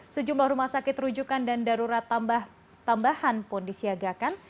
sejumlah rumah sakit rujukan dan darurat tambahan pun disiagakan